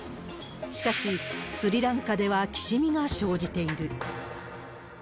しかし、スリランカではきしみが生じている。